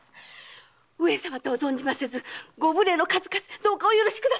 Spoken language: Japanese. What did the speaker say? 上様とは存じませずご無礼の数々お許しくださいませ。